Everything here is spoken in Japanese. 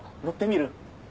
乗ってみる？